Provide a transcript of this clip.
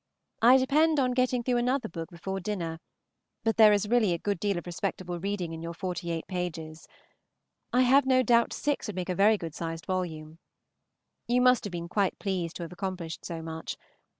I depend on getting through another book before dinner, but there is really a good deal of respectable reading in your forty eight pages. I have no doubt six would make a very good sized volume. You must have been quite pleased to have accomplished so much.